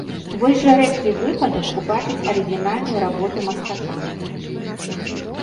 Вось жа рэдкі выпадак убачыць арыгінальную работу мастака.